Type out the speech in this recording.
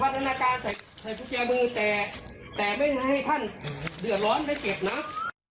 นานาการใส่กุญแจมือแตกแต่ไม่ให้ท่านเดือดร้อนได้เก็บนัก